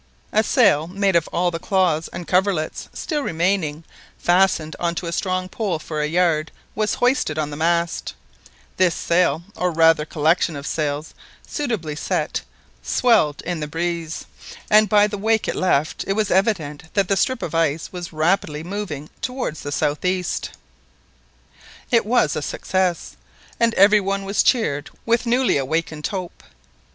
A sail made of all the clothes and coverlets still remaining fastened on to a strong pole for a yard, was hoisted on the mast This sail, or rather collection of sails, suitably set, swelled in the breeze, and by the wake it left, it was evident that the strip of ice was rapidly moving towards the south east. It was a success, and every one was cheered with newly awakened hope.